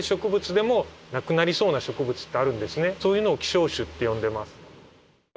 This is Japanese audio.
そういうのを希少種って呼んでます。